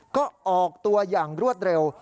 ก็ออกตัวอย่างรวดเร็ว